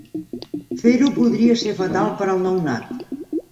Fer-ho podria ser fatal per al nounat.